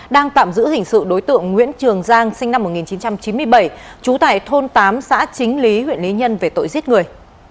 đang tạm giữ hình sự đối tượng nguyễn trường giang sinh năm một nghìn chín trăm chín mươi bảy trú tại thôn tám xã chính lý huyện lý nhân về tội giết người